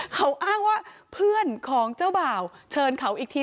เขาอ้างว่าเพื่อนของเจ้าบ่าวเชิญเขาอีกที